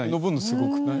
すごくない？